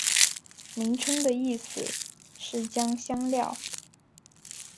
名称的意思是将香料。